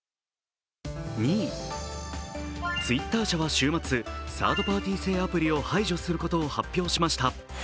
２位、Ｔｗｉｔｔｅｒ社は週末、サードパーティ製アプリを排除することを発表しました。